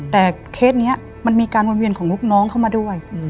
แต่เคสนี้มันมีการวนเวียนของลูกน้องเข้ามาด้วย